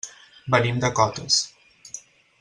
Venim de Cotes.